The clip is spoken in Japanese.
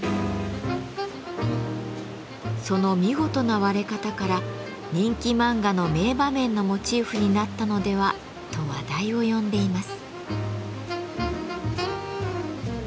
その見事な割れ方から人気漫画の名場面のモチーフになったのではと話題を呼んでいます。